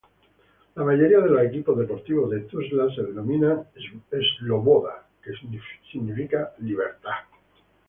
La mayoría de los equipos deportivos de Tuzla se denominan "Sloboda",que significa "libertad".